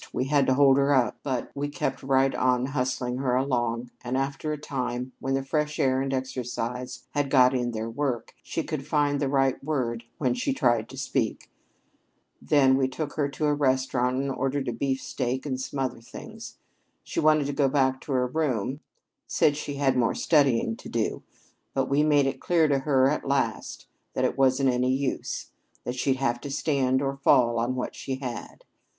We had to hold her up. But we kept right on hustling her along, and after a time when the fresh air and exercise had got in their work, she could find the right word when she tried to speak to us. Then we took her to a restaurant and ordered a beefsteak and some other things. She wanted to go back to her room said she had more studying to do; but we made it clear to her at last that it wasn't any use, that she'd have to stand or fall on what she had.